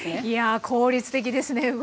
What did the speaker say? いや効率的ですね